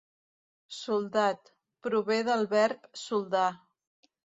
Soldat: "Prové del verb soldar.